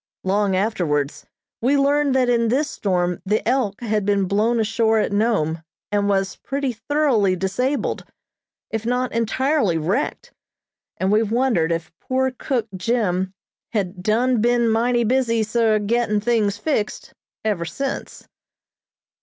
Long afterwards we learned that in this storm the "Elk" had been blown ashore at Nome, and was pretty thoroughly disabled, if not entirely wrecked, and we wondered if poor cook Jim had "done been mighty busy, sah, gittin' tings fixed" ever since.